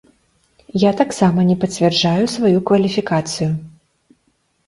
Я таксама не пацвярджаю сваю кваліфікацыю.